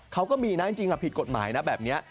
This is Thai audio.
เขาก็มีนะจริงผิดกฎหมายนะแบบนี้